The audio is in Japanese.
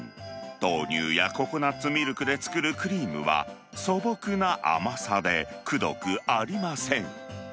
豆乳やココナッツミルクで作るクリームは、素朴な甘さで、くどくありません。